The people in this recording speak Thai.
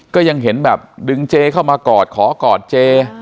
ก็ยังเห็นแบบดึงเจเข้ามากอดขอกอดเจ